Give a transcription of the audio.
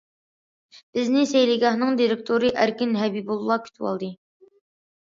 بىزنى سەيلىگاھنىڭ دىرېكتورى ئەركىن ھەبىبۇللا كۈتۈۋالدى.